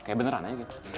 kayak beneran aja gitu